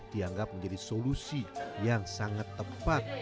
dianggap menjadi solusi yang sangat tepat